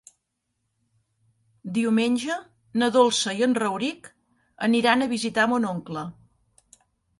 Diumenge na Dolça i en Rauric aniran a visitar mon oncle.